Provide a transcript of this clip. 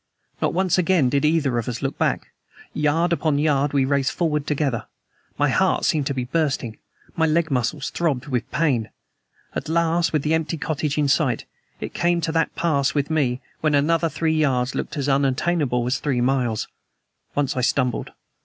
Not once again did either of us look back. Yard upon yard we raced forward together. My heart seemed to be bursting. My leg muscles throbbed with pain. At last, with the empty cottage in sight, it came to that pass with me when another three yards looks as unattainable as three miles. Once I stumbled.